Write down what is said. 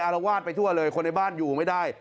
อารวาสไปทั่วเลยคนในบ้านอยู่ไม่ได้